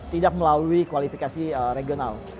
tidak melalui kualifikasi regional